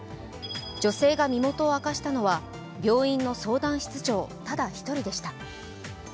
女性が身元を開かしたのは病院の相談室長ただ１人でした。